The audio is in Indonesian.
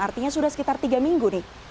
artinya sudah sekitar tiga minggu nih